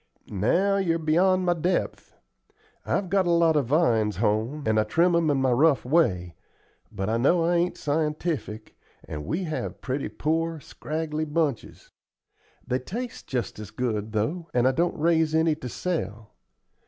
"Now, you're beyond my depth. I've got a lot of vines home, and I trim 'em in my rough way, but I know I ain't scientific, and we have pretty poor, scraggly bunches. They taste just as good, though, and I don't raise any to sell.